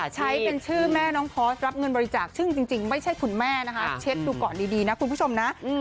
ใช้เป็นชื่อแม่น้องพอร์สรับเงินบริจาคซึ่งจริงไม่ใช่คุณแม่นะคะเช็คดูก่อนดีนะคุณผู้ชมนะ